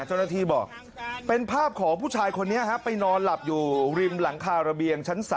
เจ้าหน้าที่บอกเป็นภาพของผู้ชายคนนี้ไปนอนหลับอยู่ริมหลังคาระเบียงชั้น๓